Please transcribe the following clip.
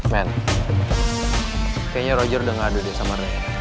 men kayaknya roger udah ngadu deh sama ray